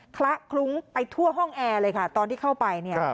คละคลุ้งไปทั่วห้องแอร์เลยค่ะตอนที่เข้าไปเนี่ย